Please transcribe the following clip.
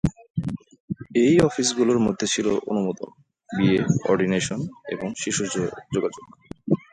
এই অফিসগুলোর মধ্যে ছিল অনুমোদন, বিয়ে, অর্ডিনেশন এবং শিশু যোগাযোগ।